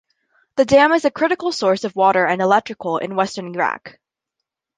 The dam is a critical source of water and electrical in western Iraq.